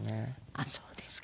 あっそうですか。